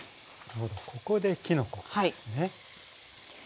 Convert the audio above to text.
ここできのこなんですね。